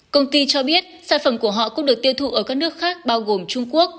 công ty cho biết sản phẩm của họ cũng được tiêu thụ ở các nước khác bao gồm trung quốc